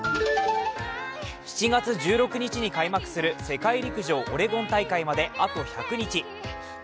７月１６日に開幕する世界陸上オレゴン大会まで、あと１００日。